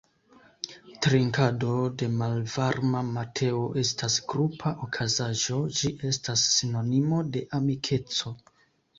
Trinkado de malvarma mateo estas grupa okazaĵo, ĝi estas sinonimo de amikeco.